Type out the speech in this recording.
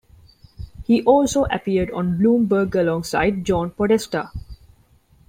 He also appeared on Bloomberg alongside John Podesta.